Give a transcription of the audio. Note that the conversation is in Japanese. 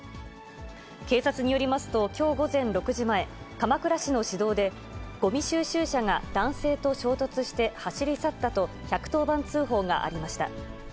警察によりますと、きょう午前６時前、鎌倉市の市道で、ごみ収集車が男性と衝突して走り去ったと、１１０番通報がありました。